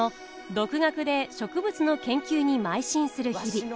独学で植物の研究にまい進する日々。